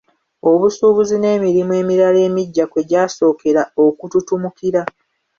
Obusuubuzi n'emirimu emirala emiggya kwe gyasookera okututumukira.